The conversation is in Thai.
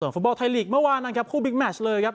ส่วนฟุตบอลไทยมาว่านังครับคู่เลยครับ